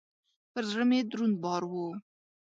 پر زړه مي دروند بار و .